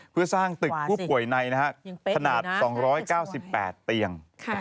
เพื่อสร้างตึกผู้ป่วยในขนาด๒๙๘เตียง